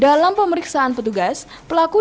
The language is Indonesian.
dalam pemeriksaan petugas pelaku